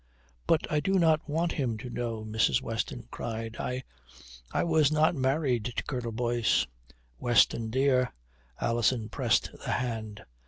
"But I do not want him to know," Mrs. Weston cried. "I I was not married to Colonel Boyce." "Weston, dear," Alison pressed the hand.